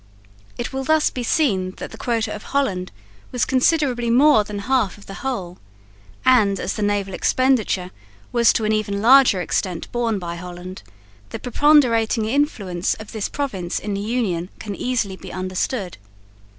It will thus be seen that the quota of Holland was considerably more than half of the whole; and, as the naval expenditure was to an even larger extent borne by Holland, the preponderating influence of this province in the Union can be easily understood.